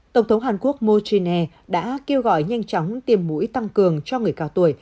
tổng thống hàn quốc mô chí nè đã kêu gọi nhanh chóng tiêm mũi tăng cường cho người cao tuổi